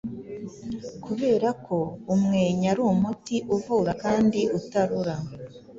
kubera ko umwenya ari umuti uvura kandi utarura,